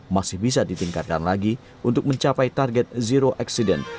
masih bisa ditingkatkan lagi untuk mencapai target zero accident